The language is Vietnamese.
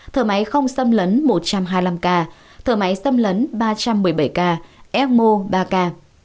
thở máy không xâm lấn một trăm hai mươi năm ca thở máy xâm lấn ba trăm một mươi bảy ca emo ba k